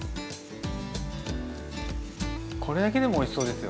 これだけでもおいしそうですよね。